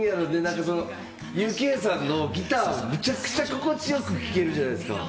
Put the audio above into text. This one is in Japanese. ＵＫさんのギター、むちゃくちゃ心地よく聞けるじゃないですか。